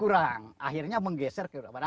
untuk doa dibincang dengan gebaut tempatnya